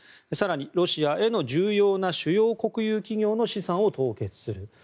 更に、ロシアへの重要な主要国有企業の資産を凍結する。